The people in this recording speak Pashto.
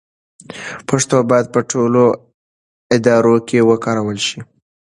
پښتو باید په ټولو ادارو کې وکارول شي.